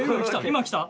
今来た？